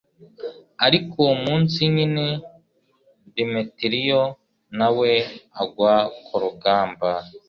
ariko uwo munsi nyine, demetiriyo na we agwa ku rugamba